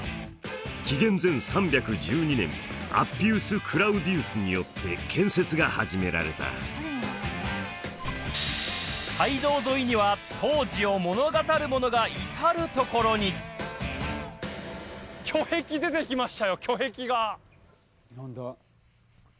紀元前３１２年アッピウス・クラウディウスによって建設が始められた街道沿いには当時を物語るものが至る所に巨壁出てきましたよ